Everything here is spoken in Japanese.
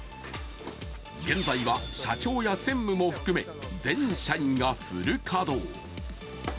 現在は社長や専務も含め全社員がフル稼働。